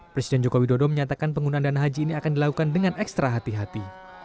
presiden joko widodo menyatakan penggunaan dana haji ini akan dilakukan dengan ekstra hati hati